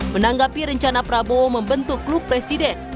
menanggapi rencana prabowo membentuk klub presiden